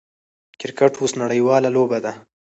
کرکټ اوس نړۍواله لوبه ده.